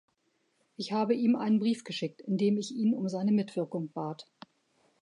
Ich habe ihm einen Brief geschickt, in dem ich ihn um seine Mitwirkung bat.